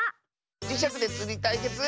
じしゃくでつりたいけつ